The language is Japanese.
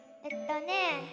えっとね